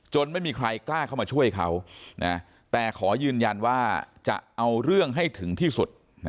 ไม่มีใครกล้าเข้ามาช่วยเขาแต่ขอยืนยันว่าจะเอาเรื่องให้ถึงที่สุด